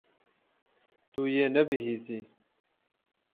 Tu yê nebihîzî.